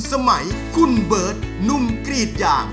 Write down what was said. สมัยคุณเบิร์ตหนุ่มกรีดยาง